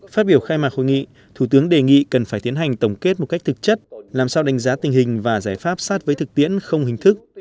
phát biểu khai mạc hội nghị thủ tướng đề nghị cần phải tiến hành tổng kết một cách thực chất làm sao đánh giá tình hình và giải pháp sát với thực tiễn không hình thức